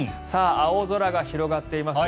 青空が広がっています。